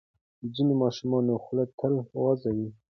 د ځینو ماشومانو خوله تل وازه وي.